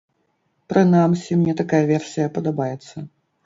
Прынамсі, мне такая версія падабаецца.